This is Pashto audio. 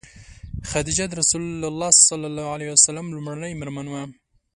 خدیجه د رسول الله ﷺ لومړنۍ مېرمن وه.